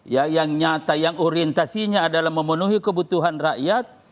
ya yang nyata yang orientasinya adalah memenuhi kebutuhan rakyat